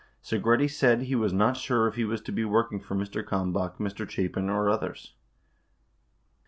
9 Segretti said he was not sure if he was to be working for Mr. Kalmbach, Mr. Chapin, or others.